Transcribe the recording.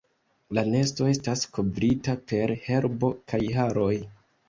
La nesto estas kovrita per herbo kaj haroj.